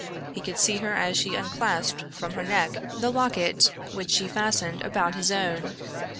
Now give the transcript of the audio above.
He could see her as she unclasped from her neck the locket which she fastened about his own.